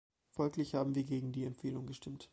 Folglich haben wir gegen die Empfehlung gestimmt.